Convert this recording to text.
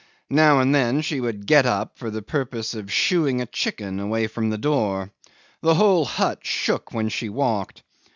Now and then she would get up for the purpose of shooing a chicken away from the door. The whole hut shook when she walked.